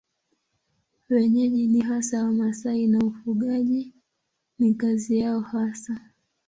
Wenyeji ni hasa Wamasai na ufugaji ni kazi yao hasa.